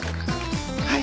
はい。